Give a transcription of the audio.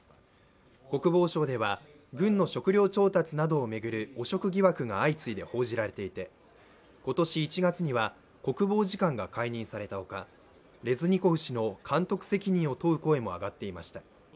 国防省では軍の食糧調達などを巡る汚職疑惑が相次いで報道されていて今年１月には国防次官が解任されたほか、レズニコフ氏の監督責任を問う声も上がっていました。